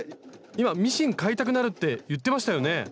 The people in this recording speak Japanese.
今ミシン買いたくなるって言ってましたよね？